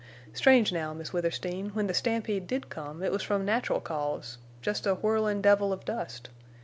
Strange now, Miss Withersteen, when the stampede did come it was from natural cause—jest a whirlin' devil of dust.